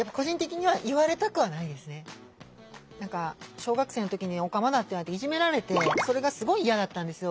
小学生の時にオカマだって言われていじめられてそれがすごい嫌だったんですよ。